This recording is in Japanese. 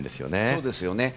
そうですね。